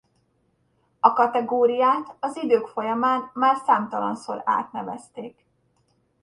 A kategóriát az idők folyamán már számtalanszor átnevezték.